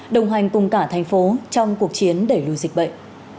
đồng hành cùng cả thành phố trong cuộc chiến đẩy lùi dịch bệnh